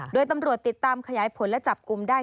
โดยตำรวจติดตามขยายผลและจับกลุ่มได้